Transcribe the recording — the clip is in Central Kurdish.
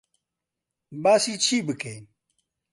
باسی چی بکەین؟